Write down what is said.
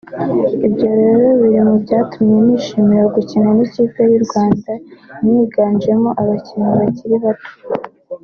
Ibyo rero biri mu byatumye nishimira gukina n’ikipe y’u Rwanda iniganjemo abakinnyi bakiri bato